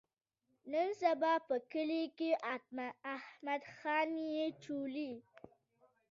نن سبا په کلي کې احمد خاني چولي.